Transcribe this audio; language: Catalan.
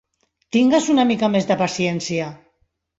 Tingues una mica més de paciència.